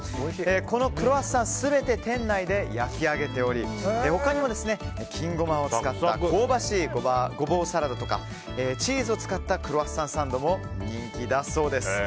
このクロワッサンは全て店内で焼き上げており他にも、金ゴマを使った香ばしいゴボウサラダとチーズを使ったクロワッサンサンドも人気だそうです。